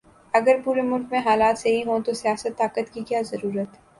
اگر پورے ملک میں حالات صحیح ھوں تو سیاست، طاقت، کی کیا ضرورت